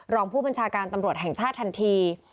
รองผู้บัญชาการตำรวจแห่งชาติทันที